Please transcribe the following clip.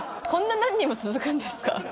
こんな何人も続くんですか？